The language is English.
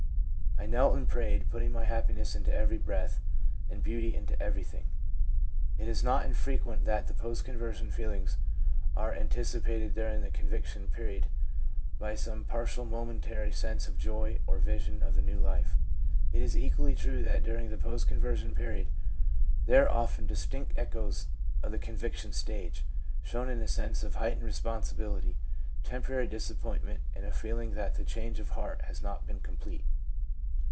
I knelt and prayed, putting happiness into every breath, and beauty into everything/ It is not infrequent that the post conversion feelings are anticipated during the con viction period by some partial momentary sense of joy or vision of the new life. It is equally true that during the post conversion period there are often distinct echoes of the conviction stage, shown in a sense of heightened THE MENTAL AND BODILY AFFECTIONS 85 responsibility, temporary disappointment, and a feeling that the change of heart has not been complete.